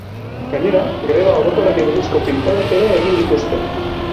Gainera, greba orokorrari buruzko pintadak ere egin dituzte.